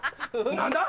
何だ？